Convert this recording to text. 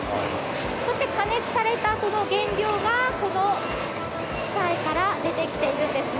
そして加熱された原料が、この機械から出てきているんですね。